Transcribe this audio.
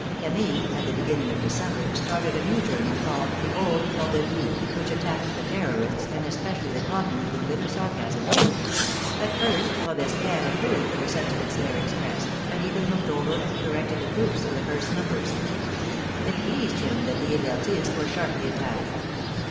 Camille, at the beginning of December, started a new journal called " The Old Cordelier," which attacked the Terrorists, and especially the Commune, with bitter sarcasm. At first Robespierre approved of the sentiments there expressed, and even looked over and corrected the proofs of the first numbers. It pleased him that the Hebertists were sharply attacked.